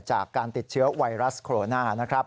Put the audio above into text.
จากการติดเชื้อไวรัสโคโรนานะครับ